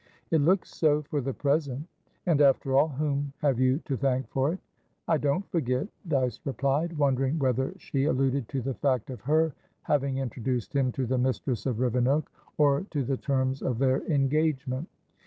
"It looks so, for the present." "And, after all, whom have you to thank for it?" "I don't forget," Dyce replied, wondering whether she alluded to the fact of her having introduced him to the mistress of Rivenoak, or to the terms of their engagement.